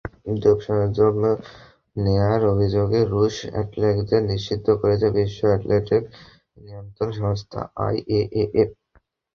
Dope নেওয়ার অভিযোগে রুশ অ্যাথলেটদের নিষিদ্ধ করেছে বিশ্ব অ্যাথলেটিকসের নিয়ন্ত্রক সংস্থা আইএএএফ।